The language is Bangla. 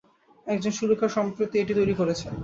একজন সুরকার সম্প্রতি এটি তৈরী করেছেন।